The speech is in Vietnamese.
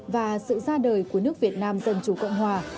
và sự ra đời của nước việt nam dân chủ cộng hòa